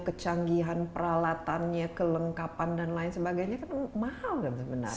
kecanggihan peralatannya kelengkapan dan lain sebagainya kan mahal kan sebenarnya